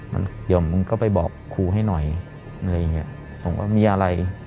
เดี๋ยวมึงก็ไปบอกครูให้หน่อยอะไรอย่างนี้ผมว่ามีอะไร